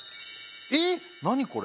えっ何これ？